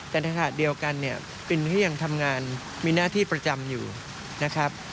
แต่ในขณะเดียวกันเนี่ยปินที่ยังทำงานมีหน้าที่ประจำอยู่นะครับ